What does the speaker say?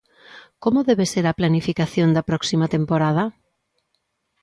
Como debe ser a planificación da próxima temporada?